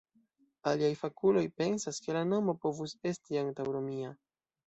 Aliaj fakuloj pensas, ke la nomo povus esti antaŭromia.